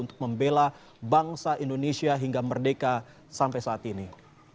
untuk membela bangsa indonesia hingga merdeka sampai saat ini